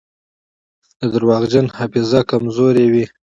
د درواغجن حافظه کمزورې وي.